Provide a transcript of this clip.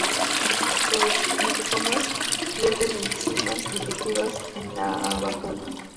Los lisosomas vierten enzimas digestivas en la vacuola.